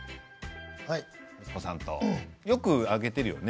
息子さんとよく上げているよね。